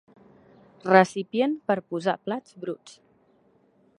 Recipient per posar plats bruts.